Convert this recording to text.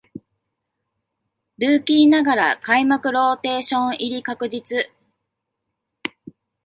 ルーキーながら開幕ローテーション入り確実